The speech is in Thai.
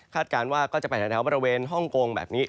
การว่าก็จะไปแถวบริเวณฮ่องกงแบบนี้